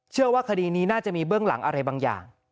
เชื่อว่าคดีนี้น่าจะมีเบื้องหลังอะไรบางอย่าง